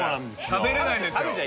食べれないんですよ